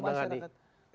siapa yang harus menangani